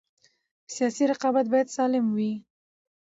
سیاسي رقابت باید سالم وي